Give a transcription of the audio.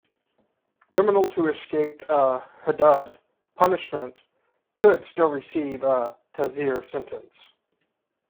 Criminals who escaped a "hudud" punishment could still receive a "ta'zir" sentence.